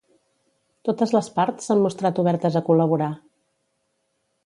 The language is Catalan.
Totes les parts s'han mostrat obertes a col·laborar.